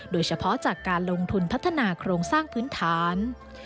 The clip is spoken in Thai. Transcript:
โดยเฉพาะจากการลงทุนพัฒนาโครงสร้างพื้นฐาน